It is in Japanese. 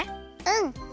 うん。